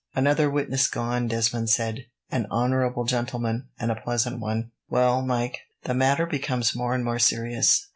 "Another witness gone," Desmond said. "An honourable gentleman, and a pleasant one. Well, Mike, the matter becomes more and more serious.